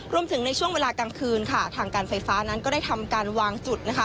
รวมถึงในช่วงเวลากลางคืนทางการไฟฟ้านั้นก็ได้ทำการวางจุด